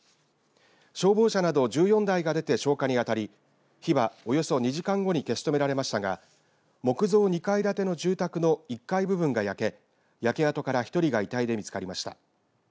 消防車など１４台が出て消火に当たり火は、およそ２時間後に消し止められましたが木造２階建ての住宅の１階部分が焼け焼け跡から１人が遺体で見つかりました。